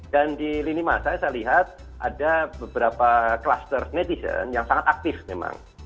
dan di lini masa saya lihat ada beberapa cluster netizen yang sangat aktif memang